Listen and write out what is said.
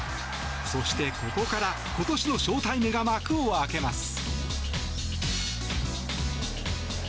そしてここから、今年のショウタイムが幕を開けます。